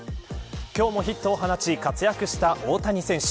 今日もヒットを放ち活躍した大谷選手。